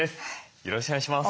よろしくお願いします。